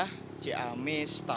itu tujuannya mudik dekat ya